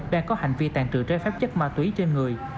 đang có hành vi tàn trự trái phép chất ma túy trên người